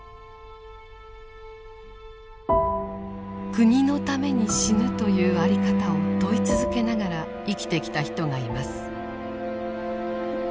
国のために死ぬという在り方を問い続けながら生きてきた人がいます。